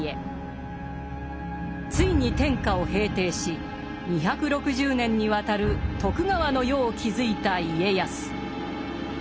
ついに天下を平定し２６０年にわたる徳川の世を築いた家康。